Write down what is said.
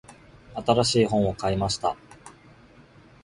新しい本を買いました。